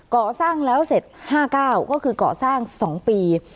ก่อสร้างแล้วเสร็จ๕๙ก็คือก่อสร้าง๒ปี